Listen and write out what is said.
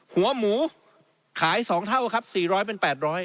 หัวหมูขาย๒เท่าครับ๔๐๐เป็น๘๐๐บาท